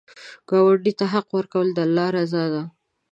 ګاونډي ته حق ورکول، د الله رضا ده